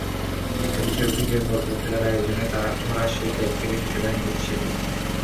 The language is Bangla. শিক্ষা-বিষয়ক ভিডিও, গল্প, খেলার আয়োজনে ভরা সেই ট্যাব থেকে শিশুরা ইংরেজি শেখে।